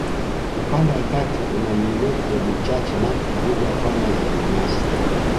Ukanda wa kati una miinuko michache na mbuga pana zenye nyasi